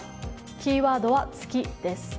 キーワードは月です。